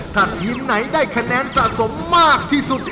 ถ้าทีมไหนได้คะแนนสะสมมากที่สุด